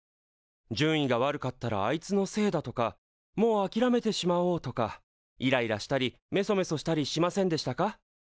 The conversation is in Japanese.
「順位が悪かったらあいつのせいだ」とか「もうあきらめてしまおう」とかイライラしたりめそめそしたりしませんでしたか？